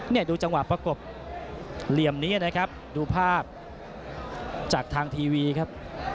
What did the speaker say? นี่ดูจังหวะประกบเหลี่ยมนี้นะครับดูภาพจากทางทีวีครับ